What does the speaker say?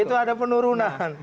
itu ada penurunan